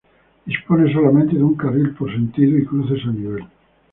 Dispone solamente de un carril por sentido y cruces a nivel.